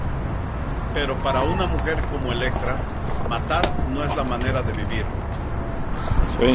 Pero para una mujer como Elektra matar no es la manera de vivir.